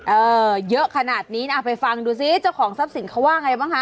เองเยอะขนาดนี้อัฟไปฟังดูซิเจ้าของซับสินค้าว่าไงบ้างฮะ